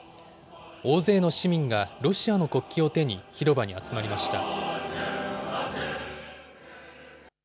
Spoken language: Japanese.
大勢の市民がロシアの国旗を手に広場に集まりました。